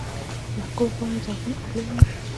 • د انګورو پاڼې زرغون او لویې وي.